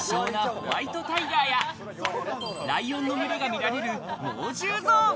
ホワイトタイガーやライオンの群れが見られる猛獣ゾーン。